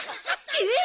えっ！